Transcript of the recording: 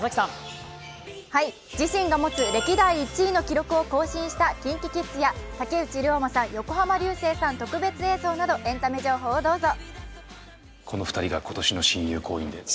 自身が持つ歴代１位の記録を更新したＫｉｎＫｉＫｉｄｓや竹内涼真さん、横浜流星さん特別映像などエンタメ情報をどうぞ。